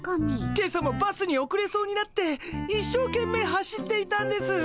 今朝もバスにおくれそうになって一生懸命走っていたんです。